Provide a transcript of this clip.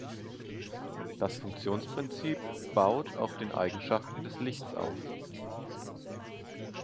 Das Funktionsprinzip baut auf den Eigenschaften des Lichts auf.